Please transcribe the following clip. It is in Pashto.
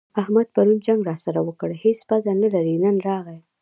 احمد پرون جنګ راسره وکړ؛ هيڅ پزه نه لري - نن راغی.